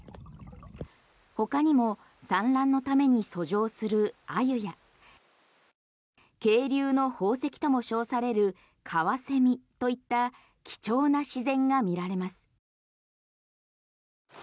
他にも産卵のために遡上するアユや渓流の宝石とも称されるカワセミといった貴重な自然が見られます。